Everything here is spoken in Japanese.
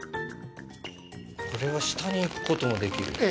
これは下に行くこともできる？